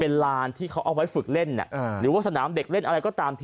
เป็นลานที่เขาเอาไว้ฝึกเล่นหรือว่าสนามเด็กเล่นอะไรก็ตามที